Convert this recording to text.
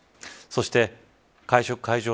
そして、会食会場